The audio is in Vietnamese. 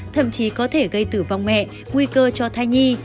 thậm chí có thể gây tử vong mẹ nguy cơ cho thai nhi